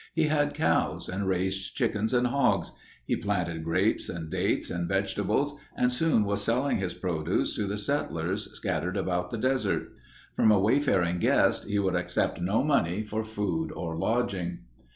He had cows and raised chickens and hogs. He planted grapes, dates, and vegetables and soon was selling his produce to the settlers scattered about the desert. From a wayfaring guest he would accept no money for food or lodging.